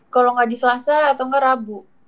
kalau nggak di selasa atau nggak rabu